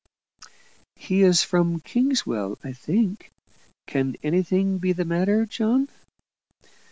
"He is from Kingswell, I think. Can anything be the matter, John?"